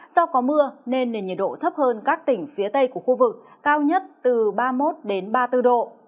do có mưa nên nền nhiệt độ thấp hơn các tỉnh phía tây của khu vực cao nhất từ ba mươi một ba mươi bốn độ